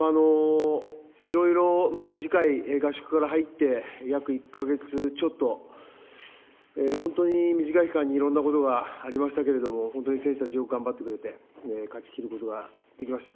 いろいろ、短い合宿から入って約１か月ちょっと、本当に短い期間にいろんなことがありましたけれども、本当に選手たちよく頑張ってくれて、勝ち切ることができました。